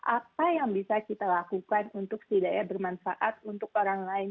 apa yang bisa kita lakukan untuk setidaknya bermanfaat untuk orang lain